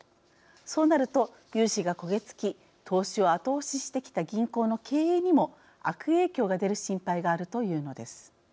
そうなると融資が焦げ付き投資を後押ししてきた銀行の経営にも悪影響が出る心配があるというのです。